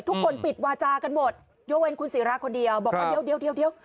ทุกคนปิดวาจากันหมดโยเวนคุณสิระคนเดียวบอกว่าเดี๋ยว